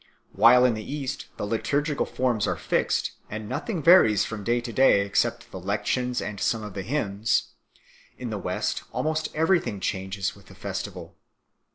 While in the East the liturgical forms are fixed, and nothing varies from day to day except the Lections and some of the Hymns ; in the West almost everything changes with the festival.